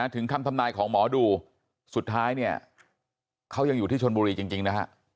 ถึงคำทำนายของหมอดูสุดท้ายเนี่ยเขายังอยู่ที่ชนบุรีจริงนะฮะ